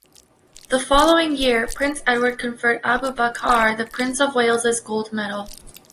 The following year, Prince Edward conferred Abu Bakar the Prince of Wales's Gold medal.